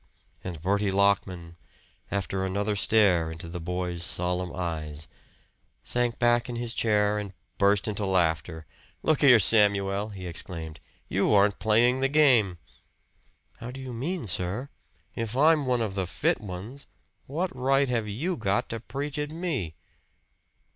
And Bertie Lockman, after another stare into the boy's solemn eyes, sank back in his chair and burst into laughter. "Look here, Samuel!" he exclaimed. "You aren't playing the game!" "How do you mean, sir?" "If I'm one of the fit ones, what right have you got to preach at me?"